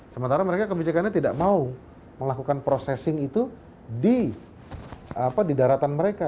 sementara mereka kebijakannya tidak mau melakukan processing itu di daratan mereka